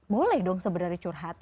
boleh dong sebenarnya curhat